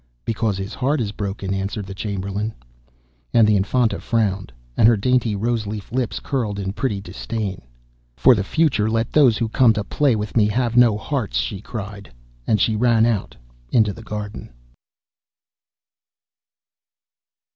'Because his heart is broken,' answered the Chamberlain. And the Infanta frowned, and her dainty rose leaf lips curled in pretty disdain. 'For the future let those who come to play with me have no hearts,' she cried, and she ran out into the garden.